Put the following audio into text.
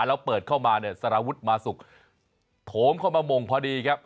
แล้วเปิดเข้ามาเนี่ยสารวุฒิมาสุกโถมเข้ามามงพอดีครับ